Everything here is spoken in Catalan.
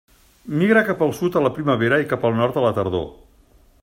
Migra cap al sud a la primavera i cap al nord a la tardor.